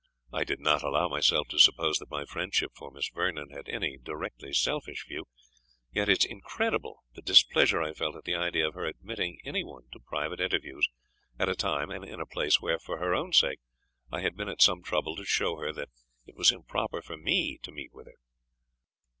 I did not allow myself to suppose that my friendship for Miss Vernon had any directly selfish view; yet it is incredible the displeasure I felt at the idea of her admitting any one to private interviews, at a time, and in a place, where, for her own sake, I had been at some trouble to show her that it was improper for me to meet with her.